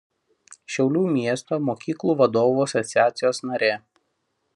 Šiaulių miesto mokyklų vadovų asociacijos narė.